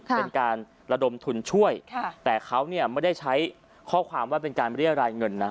เป็นการระดมทุนช่วยแต่เขาเนี่ยไม่ได้ใช้ข้อความว่าเป็นการเรียรายเงินนะ